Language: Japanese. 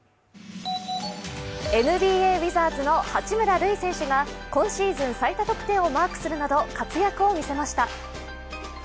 ＮＢＡウィザーズの八村塁選手が今シーズン最多得点をマークするなど、活躍を見せました。